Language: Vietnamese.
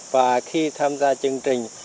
và khi tham gia chương trình